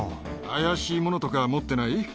怪しいものとか持ってない？